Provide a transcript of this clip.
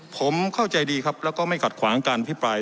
ผมเข้าใจดีครับแล้วก็ไม่ขัดขวางการพิปราย